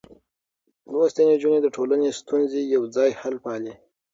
لوستې نجونې د ټولنې ستونزې يوځای حل پالي.